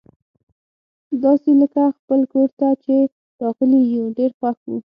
داسي لکه خپل کور ته چي راغلي یو، ډېر خوښ وو.